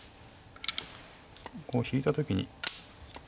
こう引いた時に。